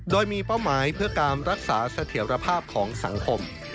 โดยมีเป้าหมายเพื่อการรักษาเสถียรภาพของสังคม